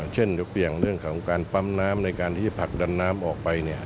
ยกอย่างเรื่องของการปั๊มน้ำในการที่จะผลักดันน้ำออกไป